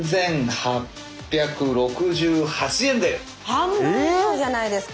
半分以上じゃないですか。